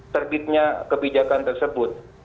terbitnya kebijakan lainnya